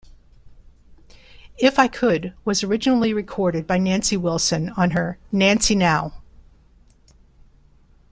"If I Could" was originally recorded by Nancy Wilson on her "Nancy Now!